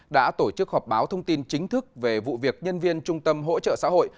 đã tổ chức họp báo thông tin chính thức về vụ việc nhân viên trung tâm hỗ trợ xã hội